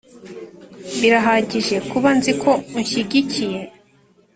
birahagije kuba nziko unshyigikiye,